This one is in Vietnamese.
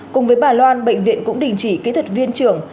cùng với bà loan bệnh viện cũng đình chỉ kỹ thuật viên trưởng